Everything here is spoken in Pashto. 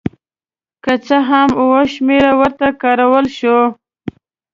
که څه هم اوه شمېره ورته کارول شوې.